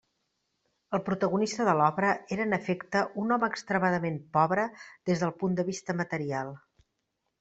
El protagonista de l'obra era en efecte un home extremament pobre des del punt de vista material.